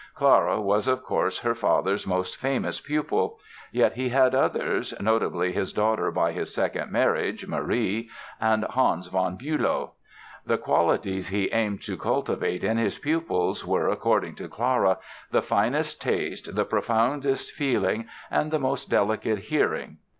Clara was, of course, her father's most famous pupil. Yet he had others, notably his daughter by his second marriage, Marie, and Hans von Bülow. The qualities he aimed to cultivate in his pupils were, according to Clara, "the finest taste, the profoundest feeling and the most delicate hearing".